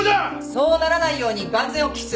そうならないように万全を期す。